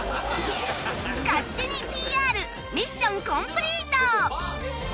勝手に ＰＲ ミッションコンプリート！